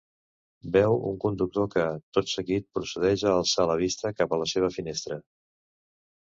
Veu un conductor que, tot seguit, procedeix a alçar la vista cap a la seva finestra.